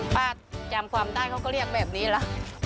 ป้าจำความได้เขาก็เรียกแบบนี้ล่ะ